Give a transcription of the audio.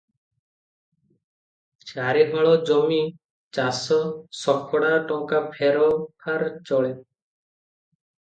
ଚାରି ହଳ ଜମି ଚାଷ, ଶକଡ଼ା ଟଙ୍କା ଫେର ଫାର ଚଳେ ।